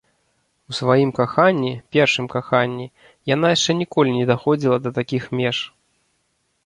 У сваім каханні, першым каханні, яна яшчэ ніколі не даходзіла да такіх меж.